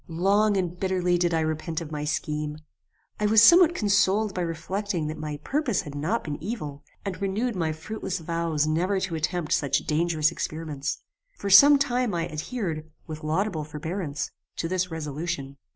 "Long and bitterly did I repent of my scheme. I was somewhat consoled by reflecting that my purpose had not been evil, and renewed my fruitless vows never to attempt such dangerous experiments. For some time I adhered, with laudable forbearance, to this resolution.